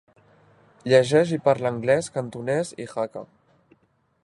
Llegeix i parla anglès, cantonès i hakka.